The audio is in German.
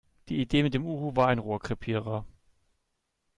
Die Idee mit dem Uhu war ein Rohrkrepierer.